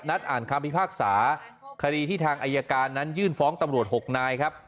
อ่านคำพิพากษาคดีที่ทางอายการนั้นยื่นฟ้องตำรวจ๖นายครับ